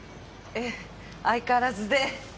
ええ相変わらずで。